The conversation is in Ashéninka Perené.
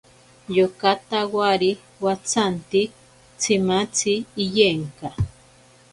Yoka tawari watsanti tsimatzi iyenka.